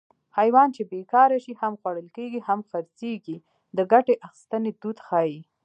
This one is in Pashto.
حیوان چې بېکاره شي هم خوړل کېږي هم خرڅېږي د ګټې اخیستنې دود ښيي